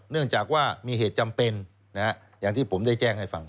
เนื่องจากว่ามีเหตุจำเป็นอย่างที่ผมได้แจ้งให้ฟัง